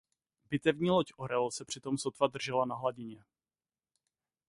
Bitevní loď "Orel" se přitom sotva držela na hladině.